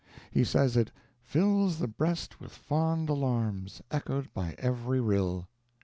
He says it "fills the breast with fond alarms, echoed by every rill."